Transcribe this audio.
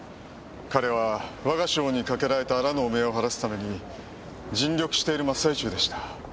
彼は我が省にかけられたあらぬ汚名を晴らすために尽力している真っ最中でした。